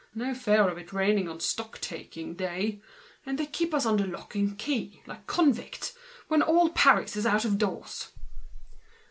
No fear of it raining on a stock taking day! And they keep us under lock and key like a lot of convicts when all Paris is out doors!"